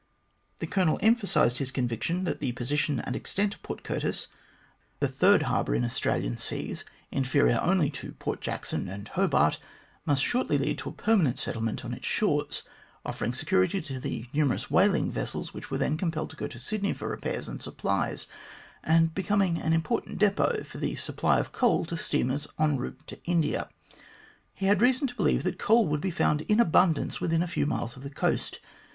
The Colonel emphasised his conviction that the position and extent of Port Curtis the third harbour in THE VINDICATION OF COLONEL BARNEY 69 Australian seas, inferior only to Port Jackson and Hobart must shortly lead to a permanent settlement on its shores, offering security to the numerous whaling vessels which were then compelled to go to Sydney for repairs and supplies, and becoming an important depot for the supply of coal to steamers en route to India. He had reason to believe that coal would be found in abundance within a few miles of the coast.